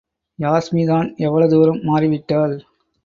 யாஸ்மிதான் எவ்வளவு தூரம் மாறிவிட்டாள்?